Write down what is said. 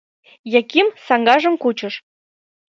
— Яким саҥгажым кучыш.